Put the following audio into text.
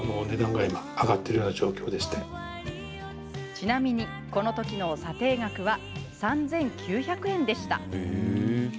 ちなみに、この時の査定額は３９００円でした。